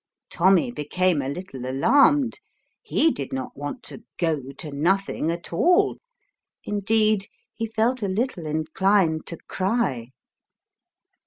Tommy became a little alarmed ; he did not want to "go to nothing" at all indeed he felt a little inclined to cry.